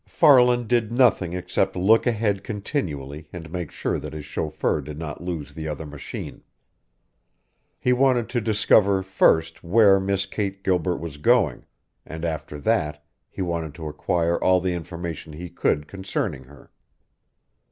Farland did nothing except look ahead continually and make sure that his chauffeur did not lose the other machine. He wanted to discover, first, where Miss Kate Gilbert was going, and after that he wanted to acquire all the information he could concerning her.